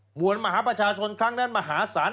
หวนมหาประชาชนครั้งนั้นมหาศาล